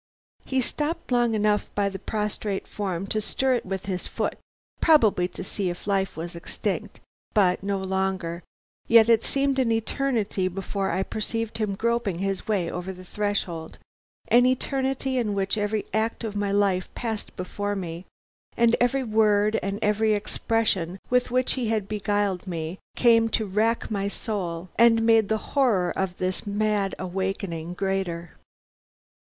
He stopped long enough by the prostrate form to stir it with his foot, probably to see if life was extinct, but no longer, yet it seemed an eternity before I perceived him groping his way over the threshold; an eternity in which every act of my life passed before me, and every word and every expression with which he had beguiled me came to rack my soul and made the horror of this mad awakening greater.